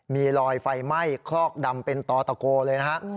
มีรอยไฟไหม้คลอกดำเป็นต่อตะโกเลยนะฮะ